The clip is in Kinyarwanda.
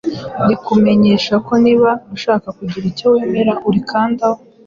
rikumenyesha ko niba ushaka kugira icyo wemeza urikandaho.